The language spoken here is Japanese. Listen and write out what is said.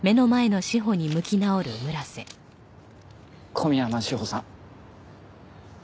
小宮山志保さん。